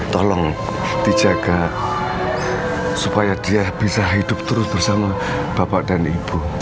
tolong dijaga supaya dia bisa hidup terus bersama bapak dan ibu